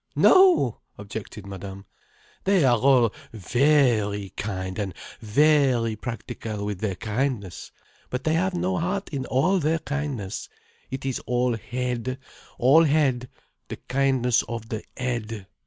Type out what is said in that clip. No!" objected Madame. "They are all ve ry kind, and ve ry practical with their kindness. But they have no heart in all their kindness. It is all head, all head: the kindness of the head."